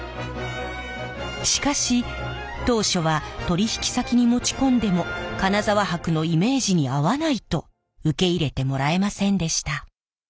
しかし当初は取引先に持ち込んでも金沢箔のイメージに合わないと受け入れてもらえませんでした。